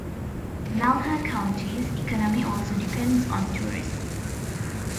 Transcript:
Malheur County's economy also depends on tourism.